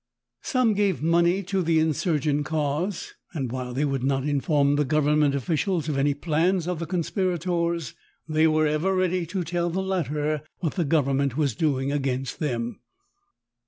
Some gave money to the insurgent eause, and while they would not inform the government offieials of any plans of the eonspirators, they were ever ready to tell the latter what the govern ment was doing against them.